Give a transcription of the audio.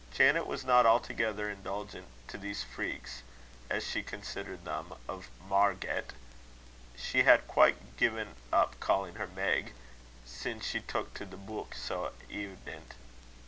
Janet was not altogether indulgent to these freaks, as she considered them, of Marget she had quite given up calling her Meg, "sin' she took to the beuk so eident."